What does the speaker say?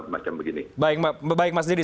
macam begini baik baik mas dedy